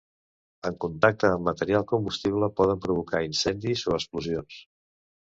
En contacte amb material combustible poden provocar incendis o explosions.